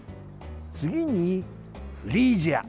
次にフリージア。